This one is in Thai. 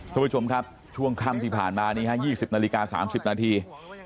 คุณผู้ชมครับช่วงค่ำที่ผ่านมานี้๒๐นาฬิกา๓๐นาที